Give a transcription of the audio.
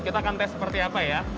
kita akan tes seperti apa ya